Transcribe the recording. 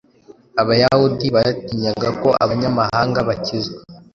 Abayahudi batinyaga ko abanyamahanga bakizwa